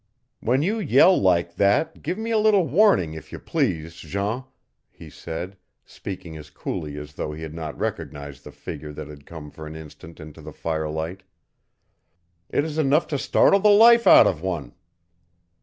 "When you yell like that give me a little warning if you please, Jean," he said, speaking as coolly as though he had not recognized the figure that had come for an instant into the firelight. "It is enough to startle the life out of one!"